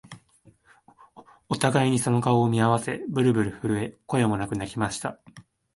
お互いにその顔を見合わせ、ぶるぶる震え、声もなく泣きました